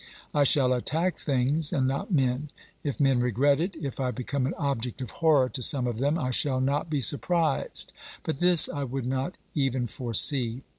I shall attack things and not men ; if men regret it, if I become an object of horror to some of them, I shall not be surprised, but this I would not even foresee.